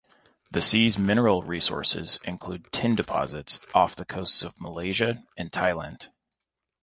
The sea's mineral resources include tin deposits off the coasts of Malaysia and Thailand.